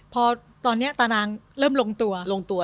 พอตอนเนี้ยตารางเริ่มลงตัวลงตัวแล้ว